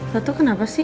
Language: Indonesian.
lo tuh kenapa sih